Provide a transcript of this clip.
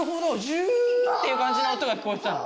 ジューっていう感じの音が聞こえてたの？